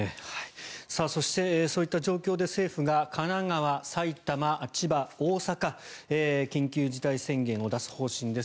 そして、そういった状況で政府が神奈川、埼玉、千葉、大阪に緊急事態宣言を出す方針です。